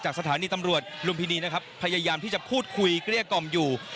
สถานีตำรวจลุมพินีนะครับพยายามที่จะพูดคุยเกลี้ยกล่อมอยู่